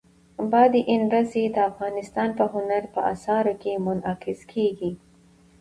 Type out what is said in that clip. بادي انرژي د افغانستان په هنر په اثار کې منعکس کېږي.